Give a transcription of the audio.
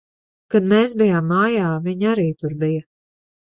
Kad mēs bijām mājā, viņa arī tur bija.